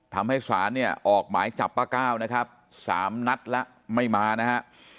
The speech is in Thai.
ทำให้ศาลเนี่ยออกหมายจับป้าก้าวนะครับสามนัดแล้วไม่มานะฮะ